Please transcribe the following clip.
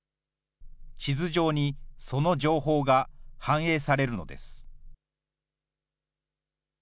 地図上に、その情報が反映されるのです。